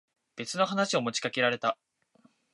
別の話を持ちかけられた。